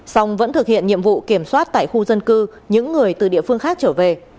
song vẫn thực hiện nhiệm vụ kiểm soát tại khu dân cư những người từ địa phương khác trở về